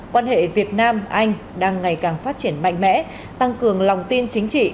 quan hệ việt nam anh đang ngày càng phát triển mạnh mẽ tăng cường lòng tin chính trị